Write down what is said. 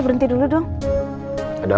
sepertinya atau tidak tu podia